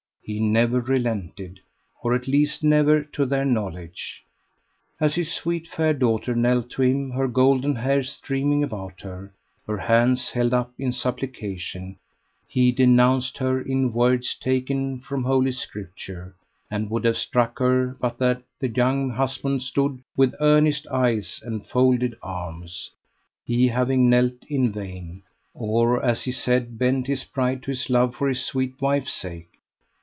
He never relented, or at least never to their knowledge. As his sweet fair daughter knelt to him, her golden hair streaming about her, her hands held up in supplication, he denounced her in words taken from Holy Scripture, and would have struck her but that the young husband stood with earnest eyes and folded arms, he having knelt in vain, or, as he said, bent his pride to his love for his sweet wife's sake.